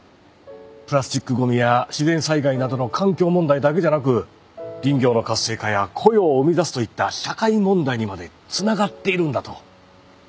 プラスチックごみや自然災害などの環境問題だけじゃなく林業の活性化や雇用を生み出すといった社会問題にまでつながっているんだと。